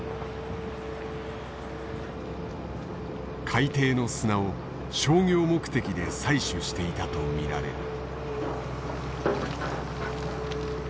海底の砂を商業目的で採取していたと見られる。